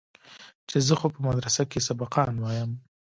چې زه خو په مدرسه کښې سبقان وايم.